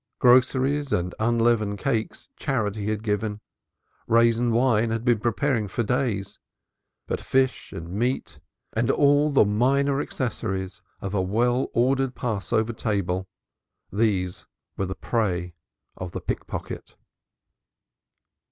Groceries and unleavened cakes Charity had given, raisin wine had been preparing for days, but fish and meat and all the minor accessories of a well ordered Passover table these were the prey of the pickpocket.